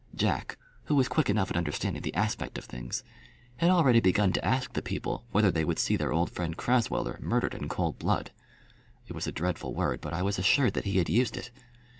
Jack, who was quick enough at understanding the aspect of things, had already begun to ask the people whether they would see their old friend Crasweller murdered in cold blood. It was a dreadful word, but I was assured that he had used it.